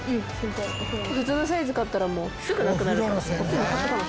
普通のサイズ買ったらもうすぐなくなるから。